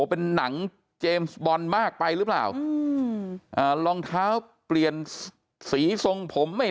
เป็นหนังเจมส์บอลมากไปหรือเปล่าอืมอ่ารองเท้าเปลี่ยนสีทรงผมไม่